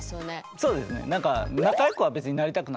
そうですね。